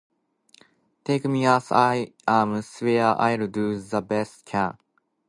Take me as I am swear I'll do the best I can